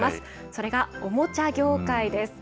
それが、おもちゃ業界です。